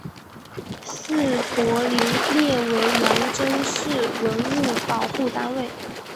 祗陀林列为扬州市文物保护单位。